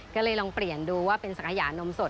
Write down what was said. ก็เลยลองเปลี่ยนดูว่าเป็นสังขยานมสด